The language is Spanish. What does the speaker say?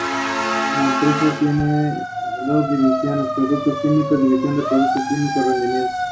Se hizo famosa en Puerto Rico en el melodrama "Coralito".